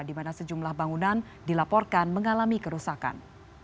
di mana sejumlah bangunan dilaporkan mengalami kerusakan